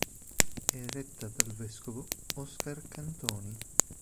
È retta dal vescovo Oscar Cantoni.